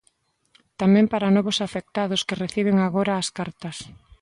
Tamén para novos afectados que reciben agora as cartas.